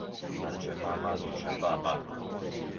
南拳媽媽，女權爸爸